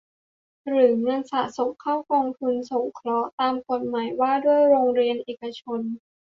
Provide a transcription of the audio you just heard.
หรือเงินสะสมเข้ากองทุนสงเคราะห์ตามกฎหมายว่าด้วยโรงเรียนเอกชน